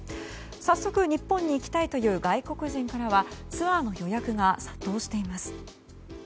早速、日本に行きたいという外国人からはツアーの予約が殺到しています。